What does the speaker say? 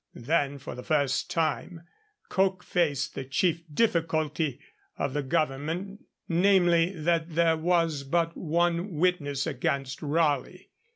Then, for the first time, Coke faced the chief difficulty of the Government, namely, that there was but one witness against Raleigh.